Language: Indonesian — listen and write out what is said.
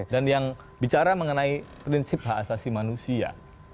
dan yang bicara mengenai prinsip hak asasi manusia